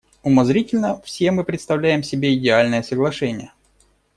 Умозрительно все мы представляем себе идеальное соглашение.